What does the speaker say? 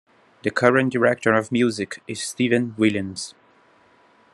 The current Director of Music is Stephen Williams.